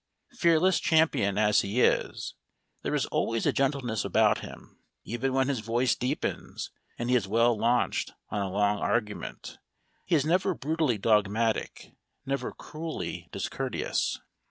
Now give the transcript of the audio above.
Fearless champion as he is, there is always a gentleness about him. Even when his voice deepens and he is well launched on a long argument, he is never brutally dogmatic, never cruelly discourteous.